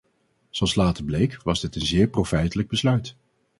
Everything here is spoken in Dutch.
Zoals later bleek was dit een zeer profijtelijk besluit.